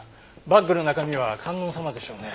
バッグの中身は観音様でしょうね。